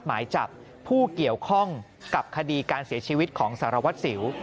หมายจับผู้เกี่ยวข้องกับคดีการเสียชีวิตของสารวัตรสิว